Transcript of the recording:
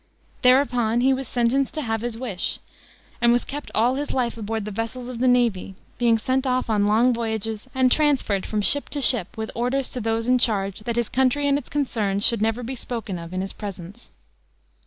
Thereupon he was sentenced to have his wish, and was kept all his life aboard the vessels of the navy, being sent off on long voyages and transferred from ship to ship, with orders to those in charge that his country and its concerns should never be spoken of in his presence.